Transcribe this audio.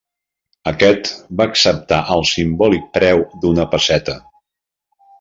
Aquest va acceptar pel simbòlic preu d'una pesseta.